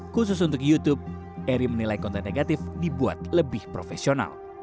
khusus untuk youtube eri menilai konten negatif dibuat lebih profesional